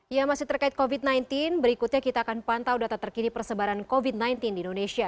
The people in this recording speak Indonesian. ya masih terkait covid sembilan belas berikutnya kita akan pantau data terkini persebaran covid sembilan belas di indonesia